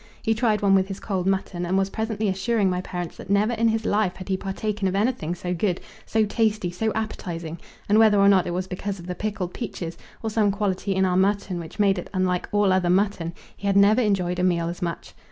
He tried one with his cold mutton, and was presently assuring my parents that never in his life had he partaken of anything so good so tasty, so appetizing, and whether or not it was because of the pickled peaches, or some quality in our mutton which made it unlike all other mutton, he had never enjoyed a meal as much.